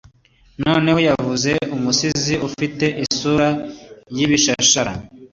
noneho yavuze umusizi ufite isura y'ibishashara